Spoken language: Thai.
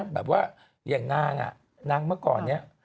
แบบว่าอย่างนางนางเมื่อก่อนนี้